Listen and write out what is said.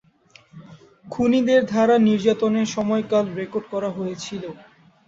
খুনিদের দ্বারা নির্যাতনের সময়কাল রেকর্ড করা হয়েছিল।